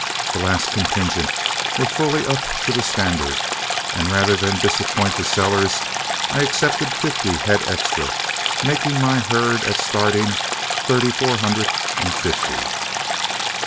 The last contingent were fully up to the standard; and rather than disappoint the sellers, I accepted fifty head extra, making my herd at starting thirty four hundred and fifty.